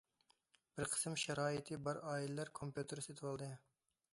بىر قىسىم شارائىتى بار ئائىلىلەر كومپيۇتېر سېتىۋالدى.